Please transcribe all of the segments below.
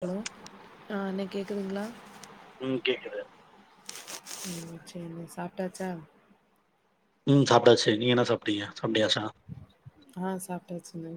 Hello ஆஹ் அண்ணே கேக்குதுங்களா உம் கேக்குது உம் செரிண்ண சாப்ட் சாப்டாச்சா உம் சாப்டாச்சு நீங்க என்ன சாப்டீங்க சம்டையாச்சா ஆஹ் சாப்டாச்சுண்ண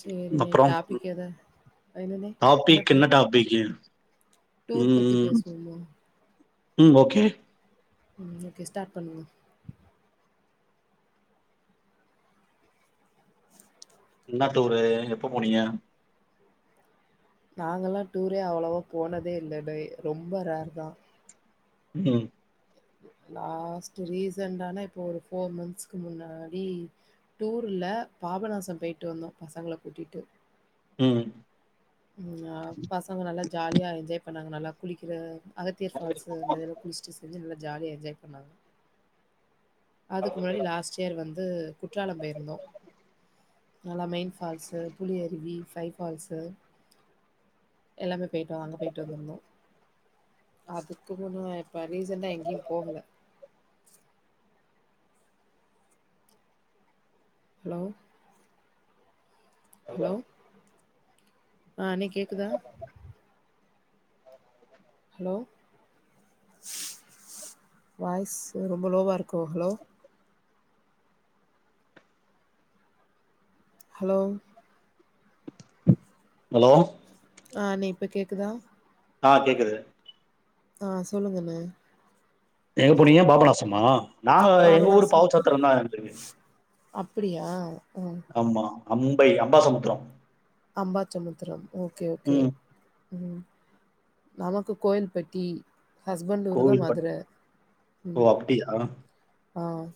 சேரிண்ண அப்றோ டாபிக் எத எண்ணணே என்ன டாபிக் பேர் டாபிக்கு டூர் பத்தி ம் பேசுவோமா ம் ஓகே ம் ஓகே ஸ்டார்ட் பண்ணுங்க என்ன டூரு எப்ப போனீங்க நாங்கெல்லா டூரே அவ்ளோவா போனதே இல்ல டை ரொம்ப ரேர் தா உம் லாஸ்ட்டு ரீசண்டானா இப்பனா ஒரு போர் மந்ஸ்க்கு முன்னாடி டூர்ல பாபநாசம் போயிட்டு வந்தோ பசங்கள கூட்டிட்டு உம் உஹ பசங்க நல்லா ஜாலியா எஞ்சாய்ப் இப்ப நாங்க நல்லா குளிக்கிற அகத்தியர் பால்ஸ் அந்த இதல்லா குளிச்சுட்டு நல்ல ஜாலியா என்ஜாய் பண்ணாங்க அதுக்கு முன்னாடி லாஸ்ட்யியர் வந்து வந்து குற்றாலம் போயிருந்தோம் நல்லா மெயின் பால்ஸ்சு புலி அருவி பைபால்ஸ்சு எல்லாமே போயிட்டோ அங்க போயிட்டு வந்திருந்தோம் அதுக்கு முன்ன இப்ப ரீசண்டா எங்கயு போகல ஹலோவ் ஹலோ ஆஹ் அண்னே கேக்குதா [inaudible] ஹலோ வாய்ஸ் ரொம்ப லோவா இருக்கோ ஹலோ ஹலோ ஹலோ ஆஹ் நே இப்ப கேக்குதா ஆஹ் கேக்குது ஆஹ் சொல்லுங்கண்ணே எங்க போனீங்க பாபநாசமா நாங்க எங்க ஊரு பாபநாசம் பாவுசத்திரம் தா இருந்திருக்கு அப்படியா? ஆ. ஆமா Ambai Ambasamudram Ambasamudram okay okay உம் நமக்கு கோயில்பட்டி ஹஸ்பண்ட் ஊர் தான் கோயில்பட் மதுர. ஓ அப்டியா ஆஹ்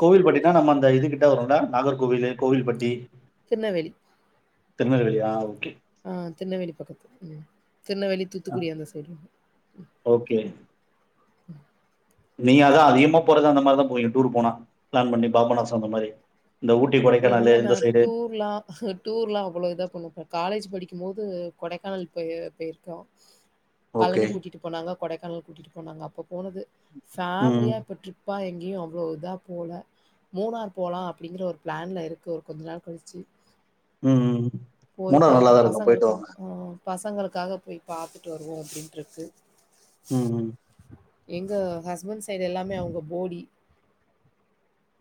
கோவில்பட்டினா நம்ம அந்த இது கிட்ட வரும்ல நாகர்கோவிலு கோவில்பட்டி திருநல்வேலி திருநல்வேலியா ஆ ஓகே ஆஹ் திருணவேலி பக்கத்து திருநெல்வேலி தூத்துக்குடி அந்த சைடு [inaudible] நீ அதா அதிகமா போறது அந்த மாரிதா போவிங்க டூர் போனா பிளான் பண்ணி பாபனாசம் அந்த மாரி இந்த ஊட்டி கொடைக்கானலு இல்ல நா இந்த சைடு டூர்லா டூர்லா அவ்ள இதா காலேஜ் படிக்க போது கொடைக்கானல் போயி போயிருக்கோ ஓகே பழநி கூட்டிட்டு போனாங்க கொடைக்கானல் கூட்டிட்டு போனாங்க அப்போ போனது ம் ஃபேமலியா ட்ரிப் ப்பா எங்கயு அவ்ள இதா போல மூணார் போலா அப்டிங்கற ஒரு பிளான்ல இருக்குது ஒரு கொஞ்ச நாள் கழிச்சு ம் ம் போய் மூணார் பாத்துட்டு நல்லாதா இருக்கும் போயிட்டு பசங்களுக்கா வாங்க ஆ பசங்களுக்காக போய் பாத்துட்டு வருவோம் அப்படின்ருக்கு ம் ம் எங்க ஹஸ்பண்ட் சைடு எல்லாமே அவங்க போடி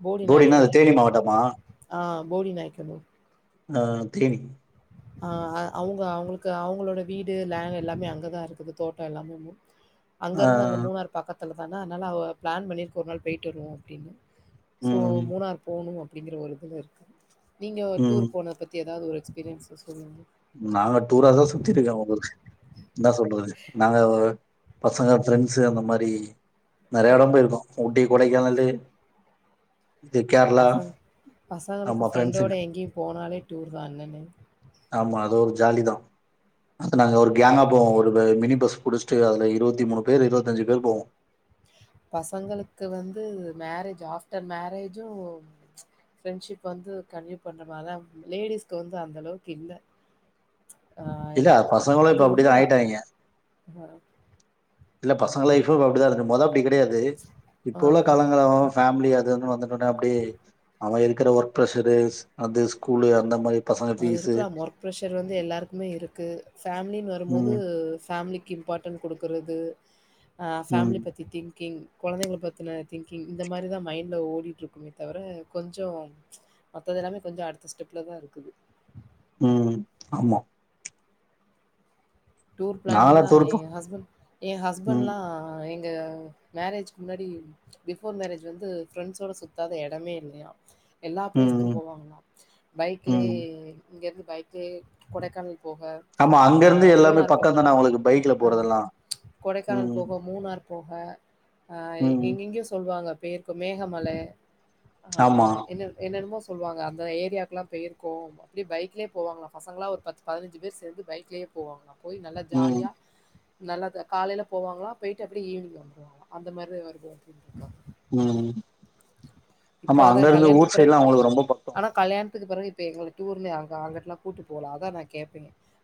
போடி போடினா அது நாய்க்கனூர் தேனி மாவட்டமா ஆ போடிநயக்கணூர் ஆ தேனி ஆ அவங்க அவங்களுக்கு அவங்களோட வீடு லேன்ட் எல்லாமே அங்கதா இருக்குது தோட்டம் எல்லாமேமு அங்க ஆ இருந்து அங்க மூணார் பக்கந் த்துல தானா அதனால அவ பிளான் பண்ணியிருக்கோ ஒரு நாள் போயிட்டு வருவோ அப்டின்னு சோ ம் மூணார் போணு அப்டிங்கிற ஒரு இதுல இருக்கு நீங்க ம் டூர் போன பத்தி எத் எதாவது ஒரு எக்ஸ்பீரியன்ஸ் சொல்லுங் நாங்க டூரா தா சுத்தி இருக்கோ உங்களுக் என்ன சொல்றது நாங்க பசங்க ஃபிரென்ஸு அந்த மாரி நெறையா எடம் போயிருக்கோ ஊட்டி கொடைக்கானலு இது கேரளா பசங் பசங்களுக்கு ஆமா ஃப்ரெண்டோட ஃப்ரெண்ட்ஸுங்க எங்கேயு போனாலே டூர் தா இல்லண்ணே ஆமா அது ஒரு ஜாலி தா அது நாங்க ஒரு ஃகேங்கா போவோம் ஒரு மினி பஸ் புடிச்சுட்டு அதுல இருபத்தி மூணு பேர் இருபத்தி அஞ்சு பேர் போவோம் பசங்களுக்கு வந்து மேரேஜ் ஆஃப்டர் மேரேஜும் ஃரெண்ட்ஷிப் வந்து கண்டினியூ பண்ற மாரிதா லேடிஸ்க்கு வந்து அந்த அளவுக்கு இல்ல ஆ இல்ல பசங்களு அது இப்ப அப்டிதா உண்மதா ஆயிட்டாங்க ஆ இல்ல பசங்கள லைஃப்பு இப்ப அப்டிதா இருக்கு மொத அப்டி கிடையாது இப்போ உள்ள ஆம் காலங்களா ஃபேமிலி அது வ வந்துட்டோனே அப்டியே அவ இருக்கிற ஒர்க் ப்ஷரு அ ஸ்கூலு அந்த மாரி பசங்க அது ஃபீஸு இருக்கலா ஒர்க் ப்ரஷர் வந்து எல்லாருக்குமே இருக்கு ஃபேமிலின்னு வரும்போது ம் ஃபேமிலிக் இம்பார்ட்டன் குடுக்குறது ஆ ம் ஃபேமிலி பத்தி திங் க்கிங் குழந்தைங்கள பத்தின திங்கிங் இந்த மாரி தா மைண்டில ஓடிட்டுருக்குமே தவிர கொஞ்சோ மத்தது எல்லாமே கொஞ்சோ அடுத்த ஸ்டெப்பில தா இருக்குது ம் ஆமா டூர் நாலா பிளானிங்லா டூர் போ என் ஹஸ்பண்ட் என் ம் ஹஸ்பண்ட்லா எங் த மேரேஜ்க்கு முன்னாடி ஃபிபோர் மேரேஜ் வந்து ஃப்ரெண்ட்ஸோட சுத்தாத எடமே இல்லயா எல்லா ம் பிளேஸ்க்கும் ம் போவாங்களாம் பைக்லயே ம் இங்கிருந்துப் பைக்கு கொடைக்கானல் போக ஆமா அங்க ஆ இருந்து எல்லாமே மூணார் போ பக்கம் தானே அவங்களுக்கு பைக்ல ஆமா போறதெல்லாம் கொடைக்கானல் ம் போக மூணார் போக ஆ ம் எங்கெங்கியோ சொல்லுவாக பேய்ர்க்கூ மேகமல ஆ ஆமா என்ன என்னன்னமோஸ் சொல்வாங்க அந்த ஏரியாக்லா பேயிருக்கோ அப்டி பைக்லியே போவாங்களா பசங்கலா ஒரு பத்து பதினஞ்சு பேர் சேந்து பைக்லேயே போவாங்களா போய் நல்லா ம் ஜாலியா நல்லாத காலைல போவாங்ளா போயிட்டு அப்டி ஈவ்னிங் வந்துருவாங்ளா அந்த மாரிதா இவரு [inaudible] ம் இப்போ ஆமா அதான் அங்கருந்து ஊர் சைடுலா அவுங்களுக்கு ரொம்ப பக்கோ துக்கு பிறகு இப்ப எங்கள டூர்ன்னு அங்க அங்கிட்டுலா கூட்டு போகல அதா நா கேப்பே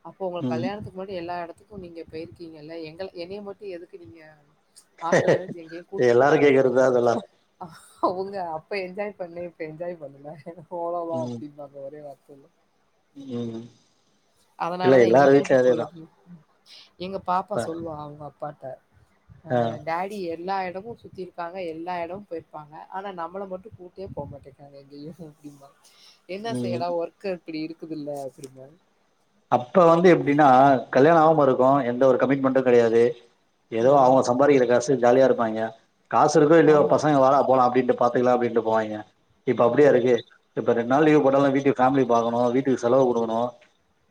அப்போ உங்க ம் கல்யாணத்துக்கு முன்னாடி எல்லா இடத் த்துக்கூ நீங்க பேயிருக்கீங்கல்ல எங்கள என்னைய மட்டூ எதுக்கு நீங்க ஆஃப்டர் மேரேஜ் எங்கேயூ கூட்டு போல எல்லாரு கேக்குறதுதா அப்டின்னு அதெல்லா அவுங்க அப் ப என்ஜாய் பண்ணே இப்ப என்ஜாய் பண்ணல போலாமா ம் அப்டிம்பாங்க ஒரே வார்த் சொல்லு ம் இல்ல அதனாலதா எங்கேயு எல்லார் கூட்டு வீட்லயு போல அதேதா அப்டி ம் [inaudible] எங்க பாப்பா இப்ப சொல்லுவா அவுங்க அப் பாத்த ஆ டாடி எல்லா எடமூ சுத்தி இருக்காங்க எல்லா எடமூ போயிருப்பாங்க ஆனா நம்மள மட்டும் கூட்டே போக மாட்டேங்கிறாங்க எங்கேயூ அப்டிம்பா என்ன ம் செய்யலா ஒர்க்கு இப்டிருக்குதுல்ல அப்டிம்பாரு அப்ப வந்து எப்டின்னா கல்யாணோ ஆவாம இருக்கூ எந்த ஒரு கமிட்மெண்ட்டூ கெடையாது ஏதோ ம் அவுங்க சம்பாதிக்கிற காஸ் ஜாலியா இருப்பாய்ங்க காசு இருக்கோ இல்லையோ ஆமா பசங்க வாடா போலா அப்டின்ட்டு பாத்துக்லா அப்டின்ட்டு போவாய்ங்க இப்ப ம் அப்டியாருக்கு இப்ப ரெண்ட் நாள் லீவு போட்டாலூ வீட்டுக் ஃபேமிலிய பாக்கணூ வீட்டுக்கு செலவுக் குடுக்கணூ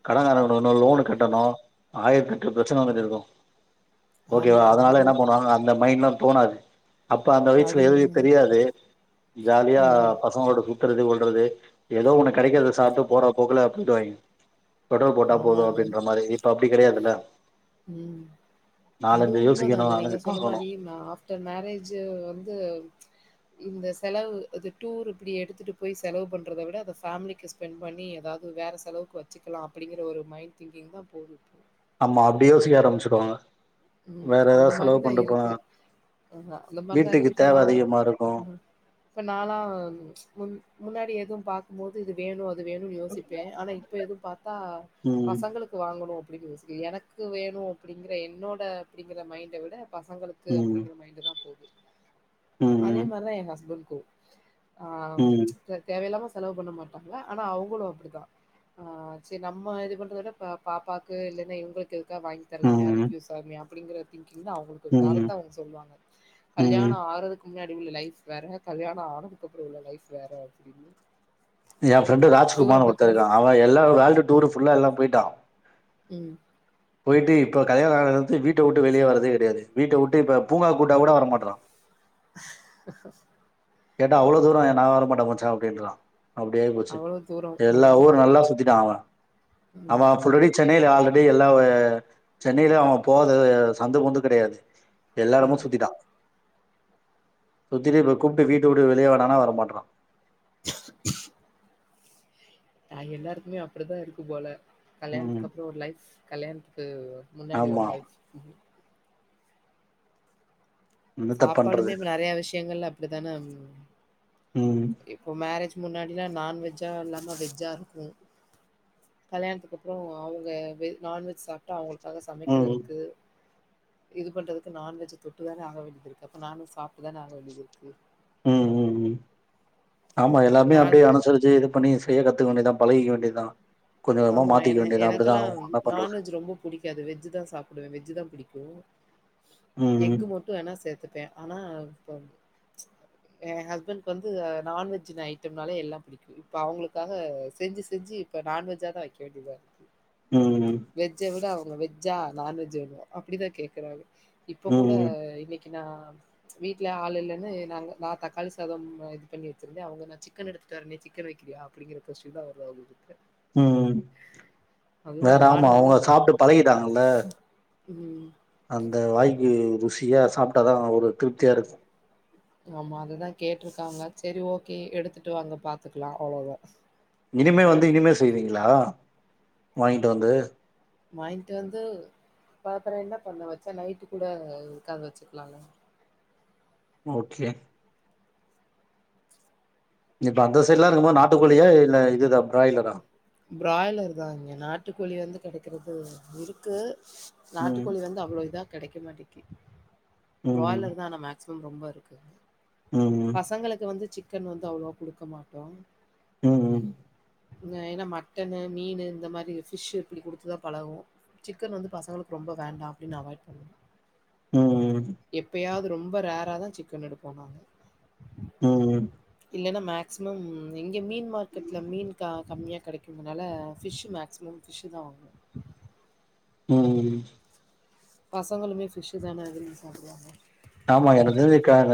கடன் கரக்கணணும் லோன் கட்டணும் ஆயிரத்தி எட்டு பிரச்சனை இருக்கு ஓகேவா ஆமா அதனால அது என்ன பண்ணுவாங்க அந்தம் மைன்லா போனாரு அப்ப அந்த அது வயசுல எதுவு உண்ம. தெரியாது ஜாலியா ம் பசங்களோட சு கறது ஓல்றது எதோ ஒன்னு கெடைக்கிறத சாப்ட்டு போற போக்குல போயிடுவாய்ங்க பெட்ரோல் போட்டா போது ஆமாங்கா அப்டின்ற மாரி இப்ப அப்டி கெடையாதுல்ல உம் அது நாலஞ்சு உண்மை யோசிக்கணு தானே நீங்க நாலஞ்சு சொன்ன பாக்கணு மாதிரி ஆப்டர் மேரேஜ் வந்து இந்த செலவு அது டூர் இப்டி எடுத்துட்டு போய் செலவு பண்றத விட அத ஃபேமிலிக்கு ஸ்பெண்ட் பண்ணி எதாவ்து வேற செலவுக்கு வச்சுக்கலா அப்பிடிங்கிற ஒரு மைண்ட் திங்கிங் தா போகூ ஆமா அப்டி யோசிக்க ஆரம்ப்சிடுவாங்க ம் அந்த மாரிதா இருக்கு அஹ அந்த மாரிதா வீட்டுக்கு இருக்கு இப்ப தேவ நா அதிகமா இருக்கு ம் இப்ப நாலா முன் முன்னாடி எதும் பாக்கும்போது இது வேணு து வேணூன் யோசிப்பே ஆனா இப்ப எதூ பாத்தா ம் பசங்களுக்கு வாங்கணூ எனக்கு வேணும் அப்படிங்கற என்னோட அப்படிங்கிற மைண்ட விட பசங்களுக்கு ம் அப்பிடிங்கிற மைண்டு தா சரி அதே ம் மாரிதா ஏ ஹஸ்பண்ட் கு ஆ ம் தேவையில்லாம செலவு பண்ண மாட்டாங்க ஆனா அவங்களு அப்படித்தா சரி நம்மது பண்றது பாப்பாக்கு இல்ன்னா இவங்களுக்கு இருந்த வாங்கி தரலாமே அது ம் ம் கியூ அப்டியா அப்டிங்கிற திங் இல்ல அவுங்குளுக்கு ஒரு காரத்த ம் அவுங்க சொல்லுவாங்க ம் கல்யாணோ ஆறதுக் மின்னாடி உள்ள லைஃப் வேற கல்யாண ஆனதுக்கப்றோ உள்ள லைஃப் வேற அப்டின்னு ஏ ப்ஃரெண்டு ராஜ்குமார் ஒருத்த இர்க்கா அவ எல்லா வேர்ல்டு டூரு புள்ள எல்லா போயிட்டா ம் போயிட்டு இப்போ கல்யாண ஆனதுந்து வீட்ட விட்டு வெளியே வரதே கெடையாது வீட்ட விட்டு இப்ப பூங்கா கூட்டா கூட வர மாட்றா [inaudible] கேட்டா அவ்வளவு தூர என் நான் வர மாட்டே மச்சா அப்படின்றா அப்டி ஆயி போச்சு அவ்வளோ தூரோ எல்லா ம் ஊரு நல்லா சுத்திட்டா அவ அவ ம் ஃபுரெடி சென்னைல ஆளு அடி எல்லா சென்னையில அவ போது சந்த கொந்து கிடையாது எல்லா எடமு ம் சுத்திட்டா சுத்திரே பக்கும் ப வீட்டவுட்டு வெளியே வாடானா வர மாட்றா [inaudible] ஆ எல்லாருக்குமே அப்பிடிதா இருக்கு போல ம் கல்யாணத்துக்கு அப்புறம் ஒரு லைஃப் கல்யாண கு முன்னாடி ஒரு ஆமா லைப் என்னத்த சாப்பாடுமே பண்றது இப்ப நிறைய விஷயங்கள அப்படித்தானே ம் இப்போ மேரேஜ் முன்னாடி எல்லாம் நான்வெஜ்ஜா இல்லாம வெஜ்ஜா இருக்கும் கல்யாணத்துக்கு அப்புறம் அவங்க நான்வெஜ் சாப்ட்டா அவுங்க க்காக ம் சமைக்கிறதுக்கு இது பண்றதுக்கு நான் வெஜ் தொட்டு வேற ஆக வேண்டியதிருக்கு அப்ப நான்வெஜ் சாப்ட்டு தானே ஆக வேண்டியது இருக்கு உம் உம் உம் ஆமா எல்லாமே நான் அப்டியே அனுசரிச்சு இது பண்ணி செய்ய கத்துக்க வேண்டியது தான் பழகிக்க வேண்டியதுதான் ஆமா ஏன்னா எனக்கு எல்லாம் பண்றது நான்வெஜ் ரொம்ப புடிக்காது வெஜ் தான் சாப்பிடுவேன் வெஜ் தான் புடிக்கும் ம் ம் எஃகு மட்டும் வேணா சேத்துப்பேன் ப்ப ஆனா இப்ப என் ஹஸ்பண்டுக்கு வந்து நான்வெஜ் ஐட்டம்னாவே எல்லாம் புடிக்கும் இப்ப அவங்களுக்காக செஞ்சு செஞ்சு இப்ப நான்வெஜ்ஜா லா வைக்க வேண்டியதா இருக்கு ம் ம் வெஜ்ஜ விட வெஜ்ஜா நான்வெஜ் வேணும் அப்டிதான் கேக்குறாங்க இப்ப கூட ம் ம் இன்னைக்கு ஏன்னா வீட்ல ஆளு இல்லன்னு நான் தக்காளி சாதம் இது பண்ணி வச்சிருந்தேன் அவங்க நான் சிக்கன் எடுத்துட்டு வரேன் நீ சிக்கன் வைக்கிறியா அப்படிங்கற கொஸ்டின் தா வரும் ம் வேற ஆமா நானு அதா அவங்க சாப்ட்டு பழகிட்டாங்கள ம் அதா இந்த வாய்க்கு ருசியா சாப்ட்டா தான் ஒரு திருப்தியா இருக்கும் ஆமா அதுதான் கேட்டிருக்காங்க சரி ஓகே எடுத்துட்டு வாங்க பாத்துக்கலாம் அவ்வளவுதான் இனிமே வந்து இனிமே செய்வீங்களா வாங்கிட்டு வந்து வாங்கிட்டு வந்து பாக்குறேன் என்ன பண்ண வைச்சா நைட் கூட இதுக்காக வச்சுக்கலாம் இல்ல ஓகே இப்ப [unintelligible] மத்த எல்லா இருக்குமா நாட்டுக்கோழிய இல்ல இல்ல பிராய்லரா பிராய்லர் தான் இங்க நாட்டுக்கோழி வந்து கிடைக்கிறது இருக்கு ம் நாட்டுக்கோழி வந்து அவ்வளவு இதா கிடைக்க மாட்டேக்கு ம் பிராய்லர் தான் ஆனா மேக் ரொம்ப இருக்கு ம் பசங்களுக்கு வந்து சிக்கன் சிக்கன் வந்து அவ்ளோ குடுக்க மாட்டோ உம் உம் நைன் ஏனா மட்டனு மீனு இந்த மாரி பிஷ் இப்டி குடுத்துதா பழகு சிக்கன் வந்து பசங்ளுக்கு ரொம்ப வேண்டா அப்டினு அவாய்ட் பண்ணு உம் உம் ரொம்ப ரேராதா சிக்கன் எடுப்போ நாங்க ம் இல்லனா மேக் மேக்சிமம் இங்க மீன் மார்க்கெட்ல மீன் கா கம்மியா கிடைக்கும்னால ஃபிஷ்சு மேக்சிமம் ஃபிஷ்சுதா வாங் உம் பசங்களுமே பிஷ்சுதான விரும்பி சாப்டுவாங்க ஆமா எனக்கு சிக்கன்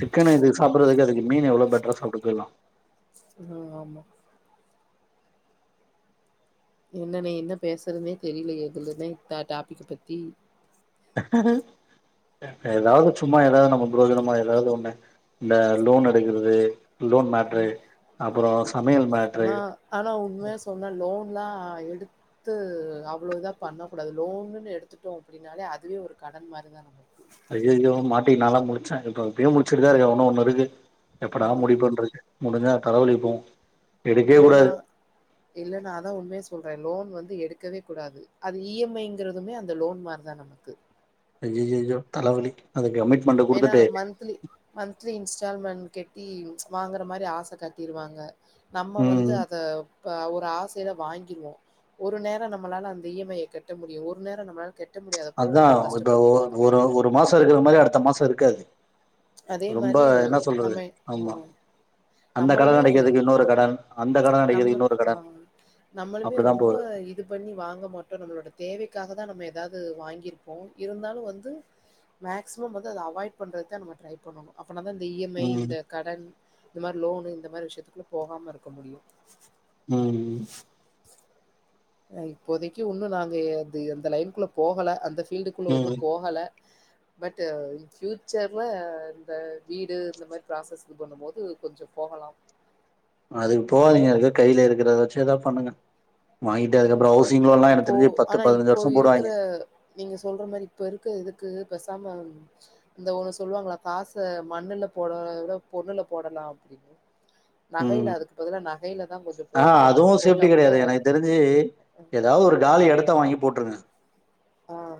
சிக்கன் இதுக்கு சாப்டறதுக்கு அதுக்கு மீன் எவ்ளோ பெட்டரா சாப்டு போய்டலாம் ஆஹ் ஆமா என்ன நீ என்ன பேசறனே தெரில எதுலன்னே டாப்பிக் பத்தி எதாவது சும்மா எதாவது நம்ம புரோஜனமா எதாவது ஒண்ணு இந்த லோன் எடுக்குறது லோன் மேட்ரு அப் அப்புறம் ஆனா ஆனா உண்மையா சொன்ன லோன் லோன்லா எடுத்து அவ்ளோ இதா பண்ண கூடாது லோனுனு எடுத்துட்டோ அப்டினாலே அதுவே ஒரு கடன் மாரிதா நம் ஐயையோ மாட்டி நாலா முடிச்ச இப்ப இப்பியும் முடிச்சுட்தா இருக்கு இன்னு ஒண்ணுருக்கு எப்படா ம் முடிப்போன்டுருக்கு முடிஞ்சா தலவலி போவு எடுக்கவே இல்லனா கூடாது இல்லனா அதா உண்மைய சொல் ப்ப லோன் வந்து எடுக்கவே கூடாது அது இஎம்ஐங்கறதுமே அந்த லோன் மாரிதா நமக்கு ஐயையையோ தலவலி வேனா மந்த்லி மந்த்லி இன்ஸ்டால்மெண்ட் கெட்டி வாங்கற மாரி ஆச காட்டிருவாங்க நம்ம வந்து ம் அத இப்ப ஒரு ஆசில வாங்கிருவோ ஒரு நேரம் நம்மளால அந்த இஎம்ஐய கட்ட முடியு ஒரு நேரம் நம்ளால கெட் அதா இப்ப ஒரு ஒரு ஒரு மாச இருக்கற மாரி அடுத்த மாச இருக்காது அதே ரொம்ப மாரி என்ன சொல்றது நம்ம ஆஹ் ஆமா ம் அந்த கடன் நம்மளுமே அடைக்கிறதுக்கு இன்னொரு கடன் அந்த கடன் அடைக்கிறதுக்கு நம்ம இன்னொரு கடன் ஆஹ்ம் நம்மளுமே அப்டிதா ரொம்ப போகுது இது பண்ணி வாங்க மாட்டோ நம்ளோட தேவைக்காகதா நம்ம எதாவது வாங்கிருப்போ இருந்தாலும் வந்து மேக்சிமம் வந்து அத அவாய்ட் பண்றதா நம ட்ரை பண்ணனு அப்பனாதா இந்த இஎம்ஐ ம் இந்த கடன் இந்த மாரி லோனு இந்த மாரி விஷயத்துக்குள்ள போகாம இருக்க முடியும் உஹம் இப்போதைக்கு ஒன்னு நாங்க அது அந்த லைன்குள்ள போகல அந்த ஃபீல்டுக்குள்ள ஒன்னு ம் போகல பட் ஃபியூச்சர்ல இந்த வீடு இந்த மாரி ப்ராசஸ் இது பண்ணு போது கொஞ்சோ போகலா அதுக்கு போகாதீங்க ஏதோ கையில இருக்கிறத வச்சு ஏதாவ் பண்ணுங்க வாங்கிட்டு அதுக்கப்புறோ ஹவுசிங் லோன்லா எனக்கு இப்போ தெரிஞ்சு பத்து ஆனா பதினஞ்சு இப்போ வருஷோ இருக்குற போடுவாய்ங்க நீங்க சொல்ற மாரி இப்ப இருக்க இதுக் கு பேசாம இந்த ஒண்ணு சொல்லுவாங்களா காச மண்ணுல போடுறதவிட பொண்ணுல போடலா அப்டின்னு நகையில ம் அதுக்கு பதிலா நகையில தா கொஞ்சோ போடலா அப்டி போட்டா கூட ஏ ஏதாவ்து ஒரு காலி எடத்த வாங்கி போட்டுருங்க ஆஹ்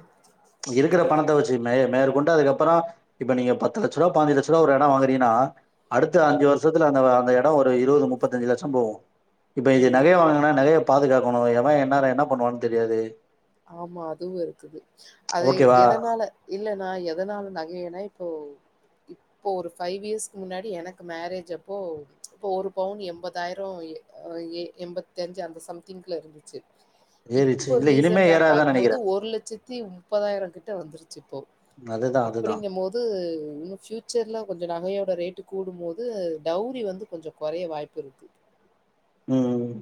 இருக்கிற பணத்த வச்சு மே மேற்கொண்டு அதுக்கப்பறோ இப்ப நீங்க பத்து லட்சரூவ பதிஞ்சு லட்சரூவ ஒரு எடம் வாங்கறீங்கன்னா அடுத்த ம் அஞ்சு வருஷத்துல அந்த வ அந்த எ டோ ஒரு இருவது முப்பத்தஞ்சு லட்ச போவும் இப்ப இந்த ம் நகைய வாங்குனா நகையப் பாதுகாக்கணு ஏவ என்னேரம் என்ன பண்ணுவான்னு தெரியாது ஆமா அதுவும் இருக்குது அது ஓகேவா எதனால இல்லன்னா எதனால நகைய இ போ இப்போ ஒரு ஃபைவ் இயர்ஸ்க்கு முன்னாடி எனக்கு மேரேஜ் அப்போ இப்போ ஒரு பவுன் எண்பதாயிரம் ஏ ஆஹ் எண்பத்த அஞ்சு அந்த சம்திங்கில இருந்துச்சு ஏரிச்சு இல்ல இனிமே எ பாக்கும்போது ஒரு லட்சத்தி முப்பதாயிர கிட் ட வந்துரு சி இப்போ அதுதான் அதுதான் அப்டிங்க போது இன்னு பியூச்சர்ல கொஞ்சோ நகையோட ரேட் டு கூடும்போது டௌரி வந்து கொஞ்ஜ கொறைய வாய்ப் இருக்கு உம் உம்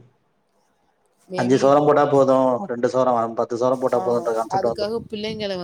அஞ்சு மேபி சவ்ரம் போட்டா போதும் ரெண்டு சவ்ரம் பத்து சவ்ரம் போட்டா ஆ போதுன்ற கான்செப்ட் வந்துரு அதுக்காக பிள்ளைங்கள